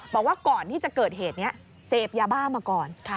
บอกว่าก่อนที่จะเกิดเหตุนี้เสพยาบ้ามาก่อน